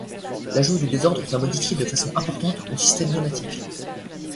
L'ajout du désordre va modifier de façon importante le système nématique.